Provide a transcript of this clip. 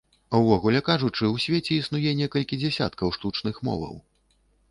Увогуле кажучы, у свеце існуе некалькі дзесяткаў штучных моваў.